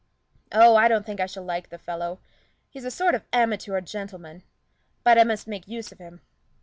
"Oh, I don't think I shall like the fellow. He's a sort of amateur gentleman. But I must make use of him.